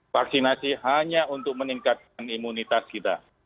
vaksinasi hanya untuk meningkatkan imunitas kita